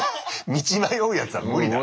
道迷うやつは無理だな。